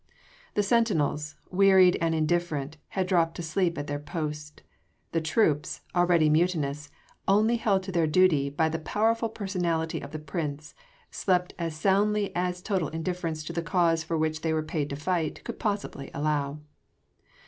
The sentinels wearied and indifferent had dropped to sleep at their post: the troops, already mutinous, only held to their duty by the powerful personality of the Prince, slept as soundly as total indifference to the cause for which they were paid to fight could possibly allow.